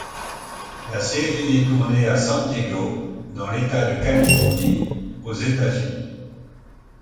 La série est tournée à San Diego dans l'état de Californie aux États-Unis.